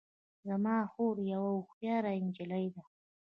زما خور یوه هوښیاره نجلۍ ده